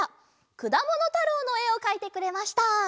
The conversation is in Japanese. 「くだものたろう」のえをかいてくれました。